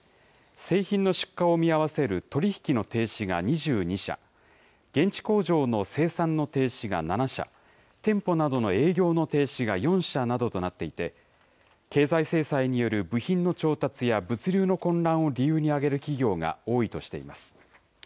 製品の出荷を見合わせる取り引きの停止が２２社、現地工場の生産の停止が７社、店舗などの営業の停止が４社などとなっていて、経済制裁による部品の調達や物流の混乱を理由に挙げる企業が多いとしています。